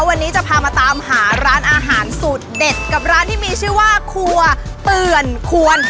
วันนี้จะพามาตามหาร้านอาหารสูตรเด็ดกับร้านที่มีชื่อว่าครัวเปื่อนควร